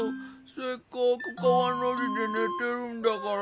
せっかくかわのじでねてるんだから。